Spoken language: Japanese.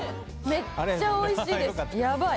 めっちゃおいしいですやばい